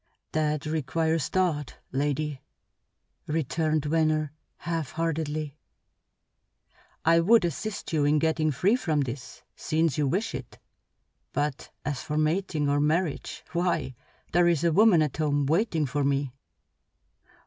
"That requires thought, lady," returned Venner, half heartedly. "I would assist you in getting free from this, since you wish it; but as for mating or marriage, why, there is a woman at home waiting for me."